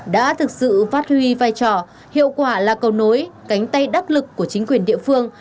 đã thực sự phát huy vai trò hiệu quả là cầu nối cánh tay đắc lực của chính quyền địa phương